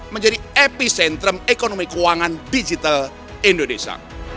menjadi epicentrum ekonomi keuangan digital indonesia